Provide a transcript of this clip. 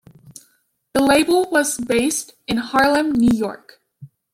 The label was based in Harlem, New York.